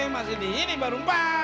masih di ini baru empat